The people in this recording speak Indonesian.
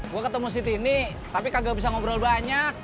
gue ketemu si tini tapi kagak bisa ngobrol banyak